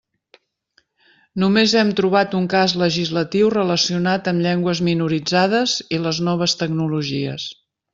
Només hem trobat un cas legislatiu relacionat amb llengües minoritzades i les noves tecnologies.